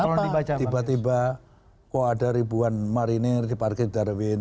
kenapa tiba tiba ada ribuan marinir di parkir darwin